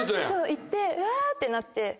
そう行ってわってなって。